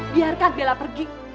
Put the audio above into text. biarkan bella pergi